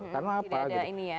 karena apa gitu